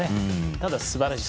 ただ、すばらしい。